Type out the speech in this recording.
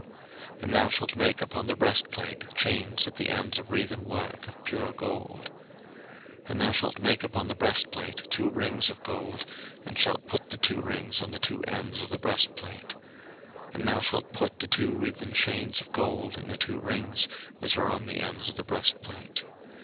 02:028:022 And thou shalt make upon the breastplate chains at the ends of wreathen work of pure gold. 02:028:023 And thou shalt make upon the breastplate two rings of gold, and shalt put the two rings on the two ends of the breastplate. 02:028:024 And thou shalt put the two wreathen chains of gold in the two rings which are on the ends of the breastplate.